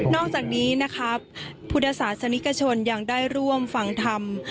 นอกจากนี้พุทธศาสตร์สนิกชนยังได้ร่วมฟังธรรม